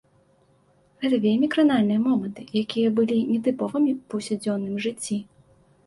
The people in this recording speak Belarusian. Гэта вельмі кранальныя моманты, якія былі нетыповымі ў паўсядзённым жыцці.